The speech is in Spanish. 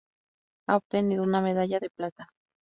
Ha obtenido una medalla de plata.